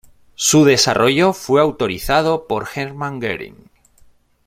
Su desarrollo fue autorizado por Hermann Göring.